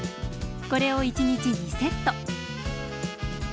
これを１日２セット。